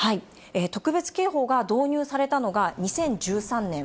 特別警報が導入されたのが２０１３年。